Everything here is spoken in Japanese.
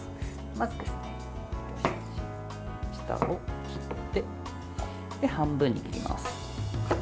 まずですね、下を切って半分に切ります。